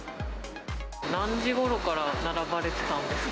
何時ごろから並ばれてたんですか。